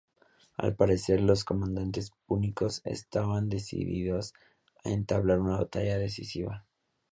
Al parecer, los comandantes púnicos estaban decididos a entablar una batalla decisiva.